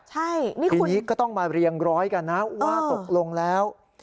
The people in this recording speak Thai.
ทีนี้ก็ต้องมาเรียงร้อยกันนะว่าตกลงแล้ว